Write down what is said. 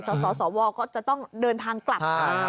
สวก็จะต้องเดินทางกลับ